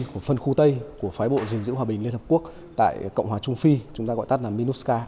của phân khu tây của phái bộ gìn giữ hòa bình liên hợp quốc tại cộng hòa trung phi chúng ta gọi tắt là minusca